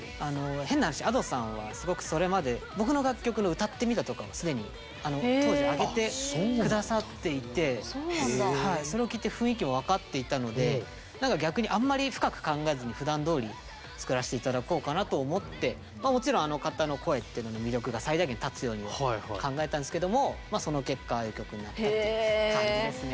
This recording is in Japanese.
変な話Ａｄｏさんはすごくそれまで僕の楽曲の歌ってみたとかを既に当時上げて下さっていてそれを聴いて雰囲気も分かっていたので何か逆にあんまり深く考えずにふだんどおり作らして頂こうかなと思ってもちろんあの方の声っていうのの魅力が最大限立つようにも考えたんですけどもまあその結果ああいう曲になったっていう感じですね。